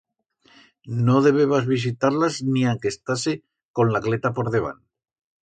No debebas visitar-las ni anque estase con la cleta por debant.